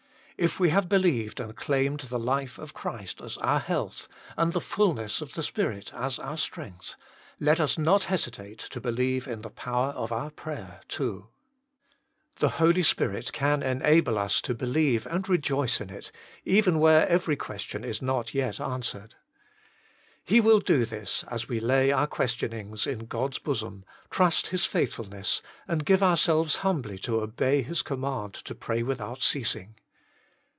If we have believed and claimed the life of Christ as our health, and the fulness of the Spirit as our strength, let us not hesitate to believe in the power of our prayer too. The Holy Spirit can enable us to believe and rejoice in it, even where every question is not yet answered. He will do MY GOD WILL HEAR ME 149 this, as we lay our questionings in God s bosom, trust His faithfulness, and give ourselves humbly to obey His command to pray without ceasing.